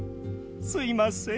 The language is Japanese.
すいません。